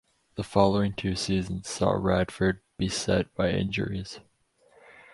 The following two seasons saw Radford beset by injuries.